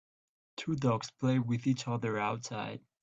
Two dogs play with each other outside.